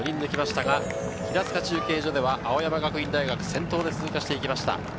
平塚中継所では青山学院大学、先頭で通過していきました。